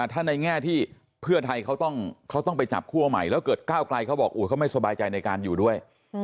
ถ้าในแง่ที่เพื่อไทยเขาต้องไปจับคั่วใหม่แล้วเกิดก้าวไกลเขาบอกเขาไม่สบายใจในการอยู่ด้วย